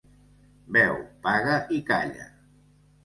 Beu, paga i calla.